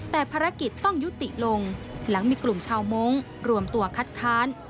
แต่ภารกิจต้องยุติลงหลังมีกลุ่มชาวมงค์รวมตัวคัดค้าน